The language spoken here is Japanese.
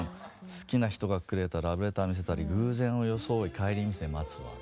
好きな人がくれたラブレター見せたり「偶然をよそおい帰り道で待つわ」。